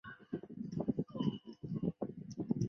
后改任中共江西省委组织部副部长。